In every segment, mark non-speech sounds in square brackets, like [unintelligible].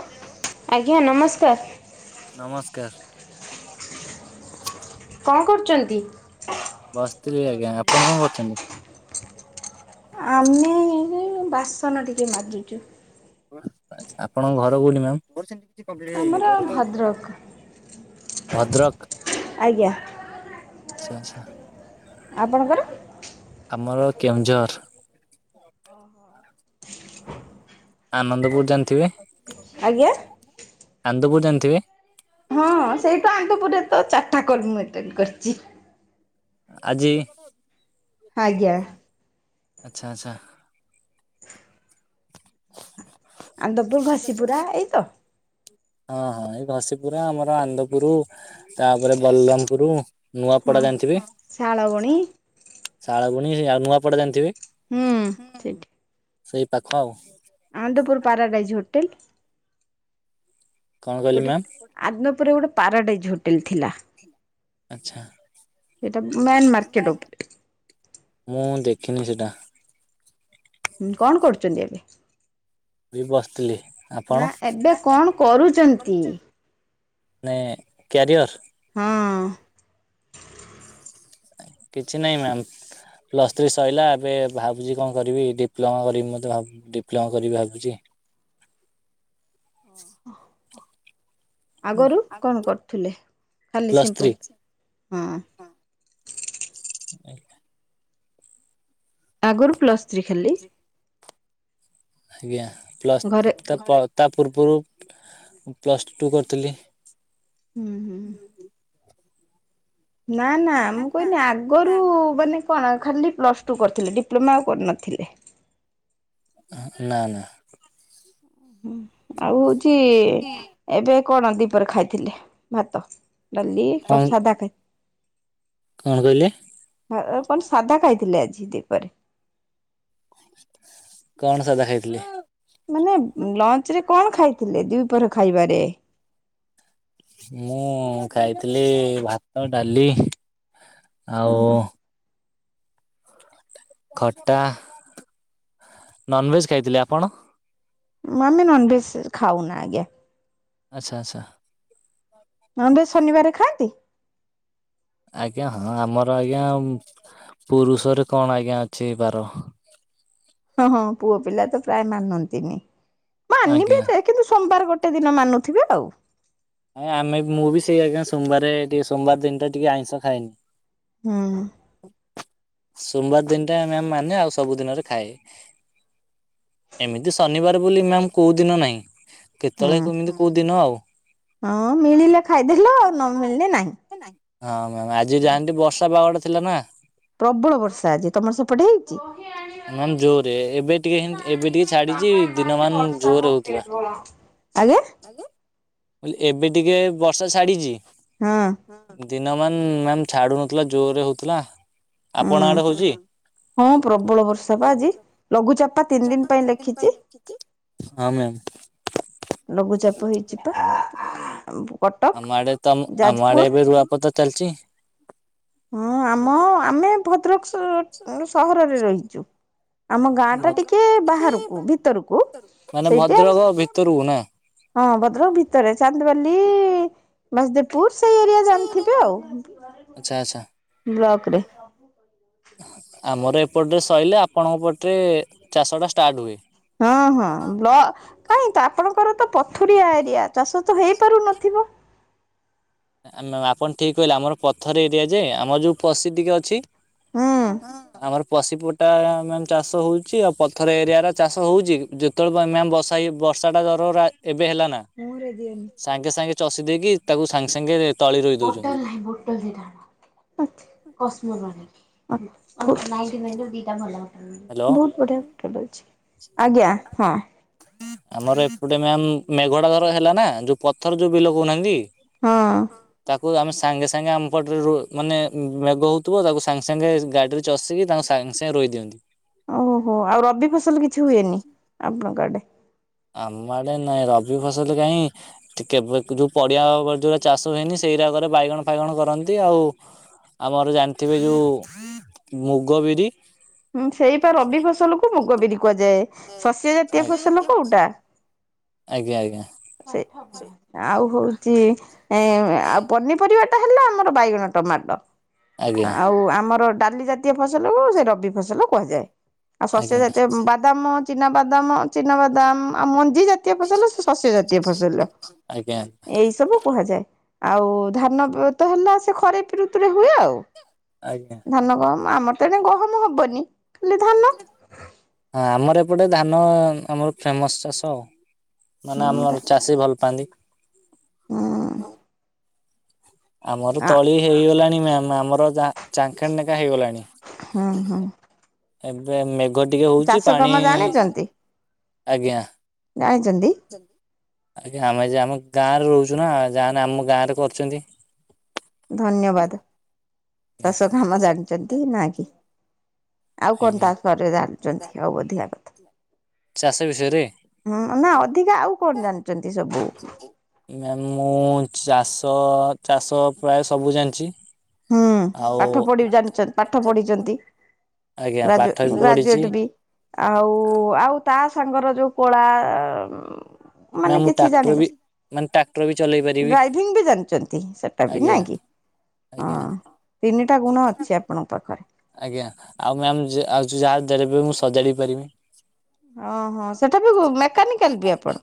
Hello. ଆଜ୍ଞା ନମସ୍କାର। ନମସ୍କାର। କଣ କରୁଚନ୍ତି? ବସିଥିଲି ଆଜ୍ଞା, ଆପଣ କଣ କରୁଛନ୍ତି? ଆମେ ଏଇ ବାସନ ଟିକେ ମାଜୁଚୁ। ଆଚ୍ଛା ଆପଣଙ୍କ ଘର କୋଉଠି ମ୍ୟାମ୍? ଆମର [unintelligible] ଭଦ୍ରକ [unintelligible] ଭଦ୍ରକ୍। ଆଚ୍ଛା ଆଚ୍ଛା। ଆପଣଙ୍କର? ଆମର କେଉଁଝର। ଓହୋ। ଆନନ୍ଦପୁର ଜାଣିଥିବେ? ଆଜ୍ଞା। ଆନ୍ଦପୁର ଜାଣିଥିବେ? ହଁ ସେଇତ ଆନ୍ଦପୁରରେ ତ ଚାରିଟା କର୍ମ ମେଣ୍ଟେନ କରିଛି। ଆଜି ଆଜ୍ଞା। ଆଚ୍ଛା ଆଚ୍ଛା। ଆନ୍ଦପୁର ଘଷିପୁରା ଏଇ ତ? ହଁ ହଁ ଏଇ ଘସିିପୁରା ଆମର ଆନ୍ଦପୁର ତାପରେ ବଲ୍ଲାମପୁର। ହଁ। ନୂଆପଡା ଜାଣିଥିବେ ଶାଳବଣି ଶାଳ୍ ଶାଳବଣି ସେ ଆଉ ନୂଆପଡା ଜାଣିଥିବେ? ହୁଁ ସେଠି। ସେଇ ପାଖ ଆଉ। Anandapur paradise hotel. କଣ କହିଲେ ଗୋଟେ ମ୍ୟାମ୍ ଆଦନପୁରରେ ଗୋଟେ ପାରାଡାଇଜ୍ ହୋଟେଲ୍ ଥିଲା। ଆଚ୍ଛା, ସେଇଟା ମେନ୍ ମାର୍କେଟ ଉପରେ। ମୁଁ ଦେଖିନି ସେଇଟା। ହୁଁ କଣ କରୁଛନ୍ତି ଏବେ? ବି ବସିଥିଲି। ଆପଣ ନାଁ ଏବେ କଣ କରୁଚନ୍ତି? ନାଇଁ କ୍ୟାରିୟର? ହଁ କିଛି ନାଇଁ ମ୍ୟାମ୍। ପ୍ଲସ୍ଥ୍ରୀ ସଇଲା ଏବେ ଭାବୁଛି କଣ କରିବି ଡିପ୍ଲୋମା କରିମି ମୋତେ ଭା ଡିପ୍ଲମା କରିବି ଭାବୁଛି। ଆଗରୁ କଣ କରୁଥିଲେ ଖାଲି ପ୍ଲସ୍ ଥ୍ରୀ ସିମ୍ପଲ୍? ହଁ ଆଗରୁ ପ୍ଲସ୍ଥ୍ରୀ ଖାଲି। ଆଜ୍ଞା ପ୍ଲସ୍ ଘରେ ତା ପ ତା ପୂର୍ବରୁ ପ୍ଲସ୍ଟୁ କରୁଥିଲି। ହୁଁ, ହୁଁ। ନାଁ ନାଁ ମୁଁ କହିନି ଆଗରୁ ମାନେ କଣ ଖାଲି ପ୍ଲସ୍ ତୁ କରିଥିଲେ ଡିପ୍ଲୋମା ଆଉ କରିନଥିଲେ। ନାଁ। ଆଉ ହୋଉଚି ଏବେ କଣ ଦିପରେ ଖାଇଥିଲି ଭାତ। ଡଲି କଟ କଣ ସଦାକତ [unintelligible] କଣ କହିଲେ? କଣ ସାଧା ଖାଇଥିଲେ ଆଜି ଦୀପରେ? କଣ ସାଧା ଖାଇଥିଲେ? ମାନେ ଲଞ୍ଚ ରେ କଣ ଖାଇଥିଲେ ଦି ପହର ଖାଇବାରେ? ମୁଁ ଖାଇଥିଲି ଭାତ ଡାଲି ଆଉ ଖଟା ନନଭେଜ୍ ଖାଇଥିଲି ଆପଣ? ମାନେ ନନଭେଜ୍ ଖାଉନା ଆଜ୍ଞା। ଆଚ୍ଛା ଆଚ୍ଛା। ନ଼ନଭେଜ୍ ଶନିବାରେ ଖାଆନ୍ତି? ଆଜ୍ଞା ହଁ ଆମର ଆଜ୍ଞା ପୁରୁଷରେ କଣ ଆଜ୍ଞା ଅଛି ବାର। ହଁ ହଁ ପୁଅ ପିଲା ତ ପ୍ରାୟ ମାନନ୍ତିନି ମାନିବେ ଆଜ୍ଞା ଯେ କିନ୍ତୁ ସୋମବାର ଗୋଟେ ଦିନ ମାନୁଥିବେ ଆଉ। ହଁ ଆମେ ମୁଁ ବି ସେଇ ଆଜ୍ଞା ସୋମବାରେ ଟିକେ ସୋମବାର ଦିନିଟା ଟିକେ ଆଇଁସ ଖାଏନି। ହଁ। ସୋମବାର ଦିନଟା ମ୍ୟାମ୍ ମାନେ ଆଉ ସବୁ ଦିନରେ ଖାଏ। ଏମିତି ଶନିବାର ବୋଲି ମ୍ୟାମ୍ କୋଉ ଦିନ ନାହିଁ ହୁଁ। କେତେବେଳେ କେମିତି କୋଉ ଦିନ ଆଉ। ହଁ ମିଳିଲେ ଖାଇଦେଲ ଆଉ ନ ମିଳିଲେ ନାହିଁ। ହଁ ମ୍ୟାମ୍ ଆଜି ଯାଆନ୍ତି ବର୍ଷା ପାଗଟା ଥିଲା ନାଁ। ପ୍ରବଳ ବର୍ଷା ଆଜି ତମର ସେପଟେ ହେଇନି? ମ୍ୟାମ୍ ଜୋରେ ଏବେ ଟିକେ ହେମ ଏବେ ଟିକେ ଛାଡିଛି ଦିନ ମାନ ଜୋରରେ ହୋ କେବଳ ଏବେ ଟିକେ ବର୍ଷା ଛାଡିଚି। ହଁ। ଦିନ ମାନ ମ୍ୟାାମ ଛାଡୁନଥିଲା ଜୋରରେ ହୋଉଥିଲା ହଁ ଆପଣ ଆଡେ ହୋଉଚି? ହଁ ପ୍ରବଳ ବର୍ଷା ପା ଆଜି ଲଘୁଚାପ ତିନି ଦିନ ପାଇଁ ଲେଖିଛି। ହଁ ମ୍ୟାମ୍। ଲଘୁଚାପ ହେଇଚିପା। ଆମ ଆଡେ ତ ଆମ ଆଡେ ଏବେ ରୁଆପୋତା ଚାଲିଚି। ହଁ ଆମ ଆମେ ଭଦ୍ରକ ସ ସହରରେ ରହିଚୁ। ଆମ ଗାଁ ଭ ଟା ଟିକେ ବାହାରକୁ ଭିତରକୁ ମାନେ ସେଇଟା। ଭଦ୍ରକ ଭିତରକୁ ନାଁ? ହଁ ଭଦ୍ରକ ଭିତରେ ଚାନ୍ଦବାଲି। ବାସଦେବପୁର ସେଇ ଏରିଆ ଜାଣିଥିବେ ଆଉ ଆଚ୍ଛା ଆଚ୍ଛା। ବ୍ଲକ ରେ। ଆମର ଏପଟରେ ସଇଲେ ଆପଣଙ୍କ ପଟେ ଚାଷଟା ଷ୍ଟାର୍ଟ ହୁଏ। ହଁ ହଁ ବ୍ଲ କାହିଁ ତ ଆପଣଙ୍କର ତ ପଥୁୁରଆ ଏରିଆ ଚାଷ ଚାଷ ତ ହେଇପାରୁନଥିବ? ଆପଣ ଠିକ୍ କହିଲେ ଆମର ପଥର ଏରିଆ ଯେ ଆମର ଯୋଉ ପଶି ଟିକେ ଅଛି। ହଁ ଆମର ପଶିପ ଟା ମ୍ୟାମ୍ ଚାଷ ହୋଉଚି ଆଉ ପଥର ଏରିଆ ରା ଚାଷ ହୋ ଉଚି ଯେତୋଓଳେ ମ୍ୟାମ୍ ବର୍ଷା ହେଇ ବର୍ଷାଟା ଧର ରା ଏବେ ହେଲା ନା। ମୁଁ ହେରା ଦିଏନି। ସାଙ୍ଗେ ସାଙ୍ଗେ ଚଷି ଦେଇକି ତାକୁ ସାଙ୍ଗେ ସାଙ୍ଗେ ତଳି ରୋଇ ବୋଟଲ ଦଉଛନ୍ତି। ନାହିଁ ବୋଟଲ ଦିଟା ଆଣେ। କସମୋରୁ ଆଣେ ନାଇଟିନାଇନ୍ ଦିଟା ଭଲ। ହ୍ୟାଲୋ ବୋହୁତ ବଢ଼ିଆ ହୋଟେଲ ଅଛି ଆଜ୍ଞା ହଁ। ଆମର ଏପଟେ ମ୍ୟାମ୍ ମେଘଟା ଧର ହେଲା ନା ଯୋଉ ପଥର ଯୋଉ ବିଲ କୋହୁନାହାନ୍ତି ହଁ ତାକୁ ଆମେ ସାଙ୍ଗେ ତାଙ୍କେ ଆମ ପଟରେ ରୋ ମାନେ ମେଗ ହୋଉଥୁବ ତାକୁ ସାଙ୍ଗେ ସାଙ୍ଗେ ଗାଡ଼ିରେ ଚଷିକି ତାଙ୍କୁ ସାଙ୍ଗେ ସାଙ୍ଗେ ରୋଇ ଦିଅନ୍ତି। ଓହୋ ହୋ ଆଉ ରବି ଫସଲ କିଛି ହୁଏନି ଆପଣଙ୍କ ଆଡ଼େ? ଆମ ଆଡେ ନାଇଁ ରବି ଫସଲ କାଇଁ ଟିକେ ବେକୁ ଯୋଉ ପଡିଆ ଉଅ ଯୋଉରା ଚାଷ ହୁଏନି ସେଇରାକରେ ବାଇଗଣ ଫାଇଗଣ କରନ୍ତି ଆଉ। ଆମର ଜାଣିଥିବେ ଯୋଉ ମୁଗ ବିରି। ହୁଁ ସେଇ ପା ରବି ଫସଲକୁୁ ମୁଗ ବିରି କୁହାଯାଏ ଶସ୍ୟ ଜାତୀୟ ଆ- ଫସଲ କୋଉଟା? ଆଜ୍ଞା ଆଜ୍ଞା। ସେଇ ଆଉ ହଉଚି ଏଁ ଆଉ ପନିପରିବା ଟା ହେଲା ଆମର ବାଇଗଣ ଟମାଟ ଆଜ୍ଞା ଆଉ ଆମର ଡାଲି ଜା ତୀୟ ଫସଲକୁ ସେ ରବି ଫସଲ କୁହାଯାଏ। ଆଉ ଶସ୍ୟ ଆଜ୍ଞା ଜାତୀୟ ବା ଦାମ ଚିନାବାଦାମ ଚିନାବାଦାମ ଆଉ ମଞ୍ଜି ଜାତୀୟ ଫସଲ ସେସ ଏ ଜାତୀୟ ଫସଲରା ଆଜ୍ଞା ଏ ଏଇ ସବୁ କୁହାଯାଏ। ଆଉ ଧାନ ତ ହେଲା ସେ ଖରିପି ଋତୁରେ ହୁଏ ଆଉ। ଆଜ୍ଞା। ଧାନ ଗହମ ଆମର ତ ଏଣେ ଗହମ ହବନି ଖାଲି ଧାନ୍ ହଁ ଆମର ଏପଟେ ଧାନ ଆମର ଫେମସ ଚାଷ। ମାନେ ହୁଁ ଆମର ଚାଷୀ ଭଲ ପାଆନ୍ତି। ଉଁ। ଆମର ତଳି ହେଇଗଲାଣି ମ୍ୟାମ ଆମର ଜାଁ ଚାଙ୍ଖେଡ଼େ ନେଖା ହେଇଗଲାଣି। ହୁଁ ହୁଁ। ଏବେ ମେଘ ଟିକେ ହୋଉଚି ଚାଷ କାମ ପାଣି ଆଜ୍ଞା। ଜାଣିଚନ୍ତି? ଆଜ୍ଞା ଆମେ ଯେ ଆମ ଗାଁରେ ରହୁଚୁ ନାଁ ଯାହା ହେନେ ଆମ ଗାଁରେ କରିୁଚନ୍ତି। ଧନ୍ୟବାଦ ଆଜ୍ଞା ଚାଷ କାମ ଜାଣିଚନ୍ତି ନାଁ କି? ଆଉ କଣ ତା ଆଜ୍ଞା। ସଅରେ ଜାଣିଚନ୍ତି ଆଉ ଅଧିକା କଥା? ଚାଷ ବିଷୟରେ ହୁଁ ନାଁ ଅଧିକା ଆଉ କଣ ଜାଣିଚନ୍ତି ସବୁ? ମ୍ୟାମ୍ ମୁଁ ଚାଷ ଚାଷ ପ୍ରାୟ ସବୁ ଜାଣିଚି। ହୁଁ ପାଠ ପଢ଼ି ଜାଣିଚ ପାଠ ପଢିଚନ୍ତି। ଆଜ୍ଞା ପାଠ ଗ୍ରାଜୁଏ ବି ପଢିଛି ଗ୍ରାଜୁଏଟ ବି। ଆଉ ଆଉ ତା ସାଙ୍ଗର ଯୋଉ କଳା ଉଁ ମ୍ୟାମ୍ ମାନେ ମୁଁ କିଛି ଟ୍ରାକ୍ଟର ବି ଜାଣିବା। ମାନେ ଟ୍ରାକ୍ଟର ବି ଚଲେଇ ପାରିବି ଡ୍ରାଇଭିଂ ବି ଜାଣିଚନ୍ତି ସେଟା ବି ଆଜ୍ଞା ନାଇଁ କି? ହଁ ଆଜ୍ଞା ତିନିଟା ଗୁଣ ଅଛି ଆପଣ ପାଖରେ। ଆଜ୍ଞା ଆଉ ମ୍ୟାମ ଯେ ଆଉ ଜୁ ଯାହା ଦେଲେ ବି ମୁଁ ସଜାଡ଼ି ପାରିମି। ଅହଁ ସେଟା ବି ମେକାନିକାଲ ବି ଆପଣ?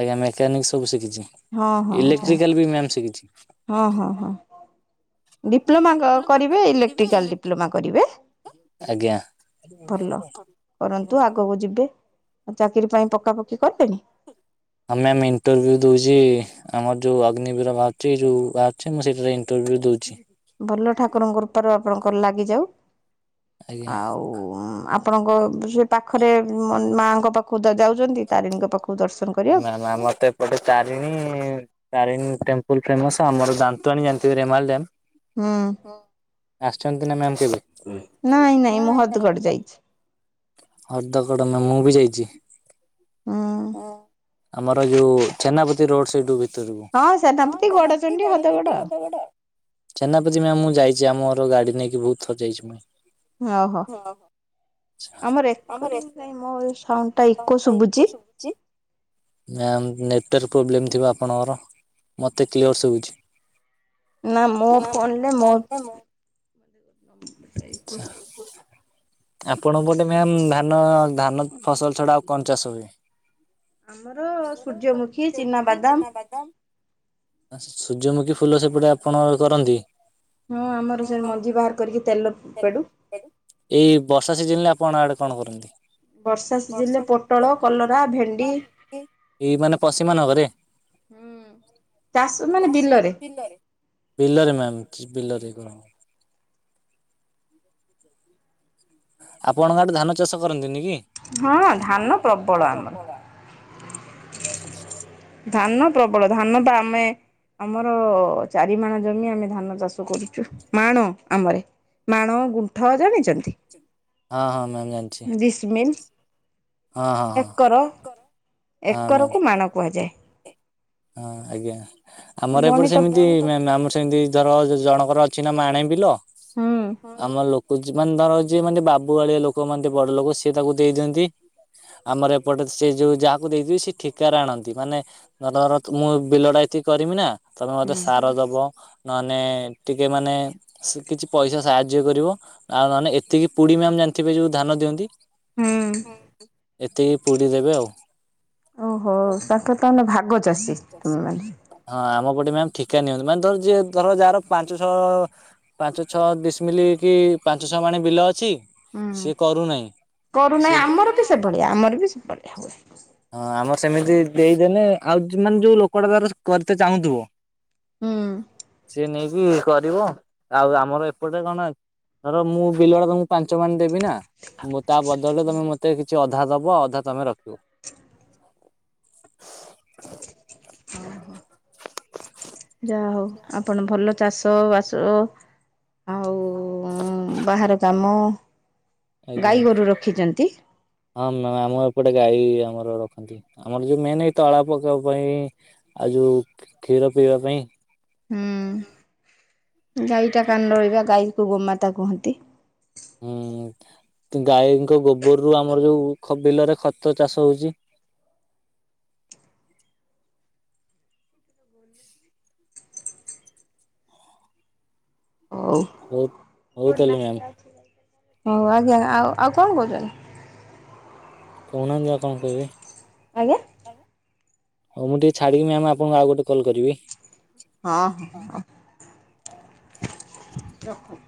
ଆଜ୍ଞା ମେକାନିକ୍ ସବୁ ଶିକିଚି ହଁ ହଁ ଯା ଇଲେକ୍ଟ୍ରିକାଲ ବି ମ୍ୟାମ୍ ଶିକିଚି। ହଁ ହଁ ହଁ ଡିପ୍ଲୋମା କ କରିବେ ଇଲେକ୍ଟ୍ରିକାଲ୍ ଡିପ୍ଲୋମା କରିବେ। ଆଜ୍ଞା। ଭଲ କରନ୍ତୁ ଆଗକୁ ଯିବେ ଆଉ ଚାକିରି ପାଇଁ ପକାପକି କଲେଣି? ଆମେ ଆମ ଇଣ୍ଟରଭ୍ୟୁ ଦେଉଛି ଆମର ଯେଉଁ ଅଗ୍ନିବୀର ବାହାରୁଛି ଯେଉଁ ବାହାରୁଛି ମୁଁ ସେଇଠାରେ ଇଣ୍ଟରଭ୍ୟୁ ଦେଉଛି। ଭଲ ଠାକୁରଙ୍କ କୃପାରୁ ଆପଣଙ୍କର ଲାଗିଯାଉ। ଆଜ୍ଞା। ଆଉ ଆପଣଙ୍କ ସେ ପାଖରେ ମାଆଙ୍କ ପାଖକୁ ତ ଯାଉଛନ୍ତି ତାରିଣୀଙ୍କ ପାଖକୁ ଦର୍ଶନ କର ନା ନା ମତେ ଗୋଟେ ତାରିଣୀ ତାରିଣୀ ଟେମ୍ପଲ ଫେମସ୍। ଆମର ଦାନ୍ତୁଆଣୀ ଜାଣିଥିବେ ରେମାଲି ଡ୍ୟମ୍? ହୁଁ। ଆସିଛନ୍ତି ନା ମ୍ୟାମ କେବେ? ନାଇଁ ନାଇଁ ମୁହଦଗଡ ଯାଇଛି। ମୁହଦଗଡ଼ ନା ମୁଁ ବି ଯାଇଛି। ହୁଁ ଆମର ଯୋଉ ଛେନାପତି ରୋଡ ସେଇଠୁ ଭିତ ହଁ। ସେନାପତି ଗଡ଼ଚଣ୍ଡୀ ହଦଗଡ଼ ଛଜନାପତି ମ୍ୟାମ ମୁଁ ଯାଇଛି ଆମର ଗାଡ଼ି ନେଇକି ବହୁତ ଥର ଯାଇଛି ମୁଁ। ଓହୋଃ। ଆମ ରେକର୍ଡିଙ୍ଗ ପାଇଁ ମୋ ସାଉଣ୍ଡ ଟା ଏକ ଶୁଭୁଛି। [inaudible] ମ୍ୟାମ୍ ନେଟୱାର୍କ ପ୍ରୋବ୍ଲେମ୍ ଥିବ ଆପଣଙ୍କର ମୋତେ କ୍ଲିଅର୍ ଶଭୁଛି। ନା ମୋ ଫୋନରେ ମୋ ଆଚ୍ଛା। ଆପଣଙ୍କ ପଟେ ମ୍ୟାମ ଧାନ ଧାନ ଫସଲ ଛଡା ଆଉ କଣ ଚାଷ ହୁଏ? ଆମର ସୂର୍ଯ୍ୟମୁଖୀ, ଚିନାବାଦାମ [unintelligible] ସୂର୍ଯ୍ୟମୁଖୀ ଫୁଲ ସେପଟେ ଆପଣ କରନ୍ତି? ହଁ, ଆମର ସେ ମଞ୍ଜି ବାହାର କରିକି ତେଲ ପେଡୁ ଏଇ ବର୍ଷା ସିଜନ ରେ ଆପଣ ଆଡେ କଣ କରନ୍ତି? ବର୍ଷା ସିଜିନରେ ପୋଟଳ କଲରା ଭେଣ୍ଡି [unintelligible] ଏଇ ମାନେ ପଶିମାନଙ୍କ ରେ? ହୁଁ, ଚାଷ ମାନେ ବିଲରେ। ବିଲ ରେ ମ୍ୟାମ୍ ବିଲରେ ହଁ। [inaudible] [inaudible] ଆପଣଙ୍କ ଆଡେ ଧାନ ଚାଷ କରନ୍ତିନି କି? ହଁ, ଧାନ ପ୍ରବଳ ଆମର। ଧାନ ପ୍ରବଳ ଧାନ ପା ଆମେ ଆମର ଚାରି ମାଣ ଜମି ଆମେ ଧାନ ଚାଷ କରୁଛୁ। ମାଣ ଆମରେ। ମାଣ, ଗୁଣ୍ଠ ଜାଣିଛନ୍ତି? ହଁ ହଁ, ମ୍ୟାମ୍ ଜାଣିଚି। ଡିସମିଲ୍ ହଁ ହଁ ଏକର ହଁ, ହଁ ଏକରକୁ ମାଣ ମ୍ୟାମ୍। କୁହାଯାଏ। ହଁ, ଆଜ୍ଞା। ଆମର ଏପଟେ ଗଣିତ ସେମିତି ମ୍ୟାମ ଆମର ସେମିତି ଧର ଜଣଙ୍କର ଅଛି ନା ମାଣେ ବିଲ, ହୁଁ ଆମ ଲୋକ ମାନେ ଧର ଯିଏ ମାନେ ବାବୁ ଭଳିଆ ଲୋକ ମାନେ ବଡ ଲୋକ ସିଏ ତାକୁ ଦେଇ ଦିଅନ୍ତି। ଆମର ଏପଟେ ସେ ଯୋଉ ଯାହାକୁ ଦେଇଥିବେ ସେ ଠିକାରେ ଆଣନ୍ତି। ମାନେ ଧର ମୁଁ ବିଲ ଟା ଏତିକି କରିମି ନା ତମେ ମତେ ହୁଁ ସାର ଦବ ନହେଲେ ଟିକେ ମାନେ କିଛି ପଇସା ସାହାଯ୍ୟ କରିବ। ଆଉ ନହେଲେ ଏତିକି ପୁଡି ମ୍ୟାମ ଜାଣିଥିବେ ଯୋଉ ଧାନ ଦିଅନ୍ତି? ହୁଁ ଏତିକି ପୁଡି ଦେବେ ଆଉ। ଓହୋ ତାଙ୍କର ତାହେଲେ ଭାଗ ଚାଷୀ। ତୁମେମାନେ ହଁ ଆମ ପଟେ ମ୍ୟାମ୍ ଠିକା ନିଅନ୍ତି ମାନେ ଧର ଯିଏ ଧର ଯାହାର ପାଞ୍ଚ, ଛଅ ପାଞ୍ଚ ଛଅ ଡିଶମିଲ କି ପାଞ୍ଚ ଛଅ ମାଣେ ବିଲ ଅଛି ହୁଁ ସିଏ କରୁନାହିଁ। ସିଏ କରୁନାହିଁ ହଁ ଆମର ବି ସେଭଳିଆ ଆମର ବି ସେଭଳିଆ ହୁଏ। ହଁ ଆମର ସେମିତି ଦେଇଦେଲେ ଆଉ ମାନେ ଯୋଉ ଲୋକଟା ତାର କରିତେ ଚାହୁଁଥିବ। ହୁଁ ସିଏ ନେଇକି। କରିବ ଆଉ ଆମର ଏପଟେ କଣ ଧର ମୁଁ ବିଲଡା ତମକୁ ପାଞ୍ଚ ମାଣ ଦେବି ନା ମୁଁ ତା ବଦଳରେ ତମେ ମତେ କିଛି ଅଧା ଦବ ଅଧା ତମେ ରଖିବ। [inaudible] ଯାହୋଉ ଆପଣ ଭଲ ଚାଷ ବାସ ଆଉ ବାହାର କାମ ଆଜ୍ଞା ଗାଈ ଗୋରୁ ରଖିଛନ୍ତି। ହଁ ମ ଆମ ଏପଟେ ଗାଈ ଆମର ରଖନ୍ତି। ଆମର ଯୋଉ ମେନ୍ ଏଇ ତଳା ପକେଇବା ପାଇଁ ଆଉ ଯୋଉ କ୍ଷୀର ପିଇବା ପାଇଁ। ଗାଈଟା କାନ ରହିବା ଗାଈକୁ ଗୋମାତା କୁହନ୍ତି। ହୁଁ ଗାଈଙ୍କ ଗୋବରରୁ ଆମର ଯୋଉ ଖ ବିଲରେ ଖତ ଚାଷ ହଉଚି। ହଉ ବହୁତ୍ ହଉ ଆଜ୍ଞା ଆଉ ଆଉ କଣ କହୁଛନ୍ତି? କହୁନାହାନ୍ତି ଯାହା କଣ କହିବେ? ଆଜ୍ଞା। ହଉ ମୁଁ ଟିକେ ଛାଡିକି ମ୍ୟାାମ ଆପଣଙ୍କୁ ଆଉ ଗୋଟେ କଲ୍ କରିବି। ହଁ ହଁ ରଖନ୍ତୁ।